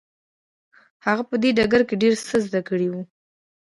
هغه په دې ډګر کې ډېر څه زده کړي وو.